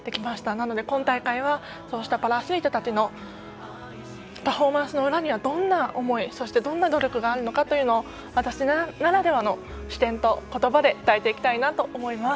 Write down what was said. なので、今大会はそうしたパラアスリートたちのパフォーマンスの裏にはどんな思いそして、どんな努力があるのかを私ならではの視点と言葉で伝えていきたいと思います。